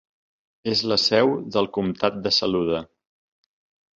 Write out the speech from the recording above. És la seu del comtat de Saluda.